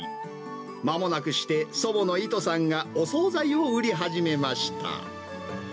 まもなくして、祖母のイトさんがお総菜を売り始めました。